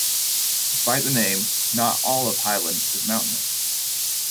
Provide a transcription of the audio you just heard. Despite the name, not all of Highland is mountainous.